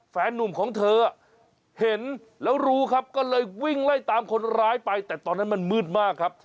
แฟนนุ่มของเธอเห็นแล้วรู้ครับก็เลยวิ่งไล่ตามคนร้ายไปแต่ตอนนั้นมันมืดมากครับ